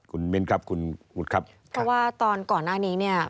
คุณเบนครับคุณหมุดครับเพราะว่าตอนก่อนอันนี้เนี่ย